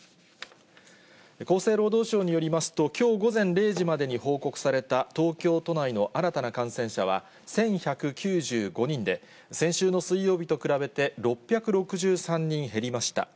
厚生労働省によりますと、きょう午前０時までに報告された、東京都内の新たな感染者は１１９５人で、先週の水曜日と比べて６６３人減りました。